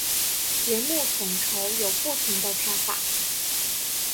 节目统筹有不同的看法。